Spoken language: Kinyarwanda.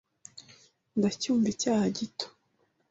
Ndacyumva icyaha gito.